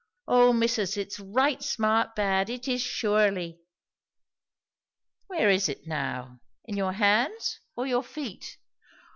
"O missus, it's right smart bad! it is surely." "Where is it now? in your hands, or your feet?"